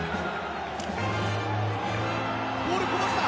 ボール、こぼした。